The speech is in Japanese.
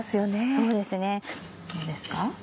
そうですねどうですか？